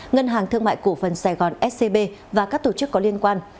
ngân hàng thương mại cổ phần sài gòn scb và các tổ chức có liên quan